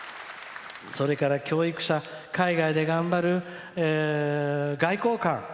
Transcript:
それから、教育者、海外で頑張る外交官。